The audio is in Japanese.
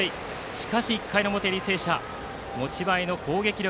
しかし１回の表履正社は持ち前の攻撃力。